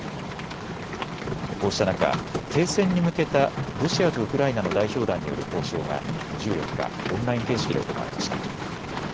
こうした中、停戦に向けたロシアとウクライナの代表団による交渉が１４日、オンライン形式で行われました。